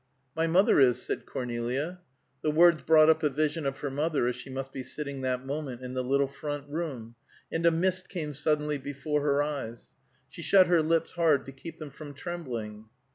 "My mother is," said Cornelia; the words brought up a vision of her mother, as she must be sitting that moment in the little front room, and a mist came suddenly before her eyes; she shut her lips hard to keep them from trembling.